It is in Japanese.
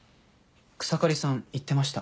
草刈さん言ってました。